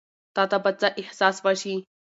تا ته به څۀ احساس وشي ـ